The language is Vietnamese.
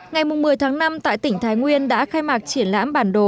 ngày một mươi tháng năm tại tỉnh thái nguyên đã khai mạc triển lãm bản đồ